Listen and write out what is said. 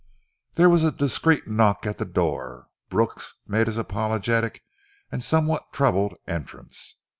There was a discreet knock at the door. Brooks made his apologetic and somewhat troubled entrance.